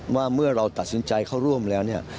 ว่าเมื่อเราตัดสินใจเข้าร่วมแล้วเนี่ย